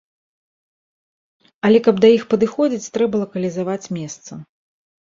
Але каб да іх падыходзіць, трэба лакалізаваць месца.